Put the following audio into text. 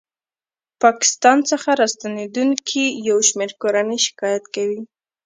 ه پاکستان څخه راستنېدونکې یو شمېر کورنۍ شکایت کوي